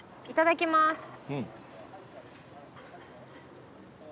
いただきます。